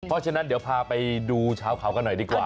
เพราะฉะนั้นเดี๋ยวพาไปดูเช้าเขากันหน่อยดีกว่า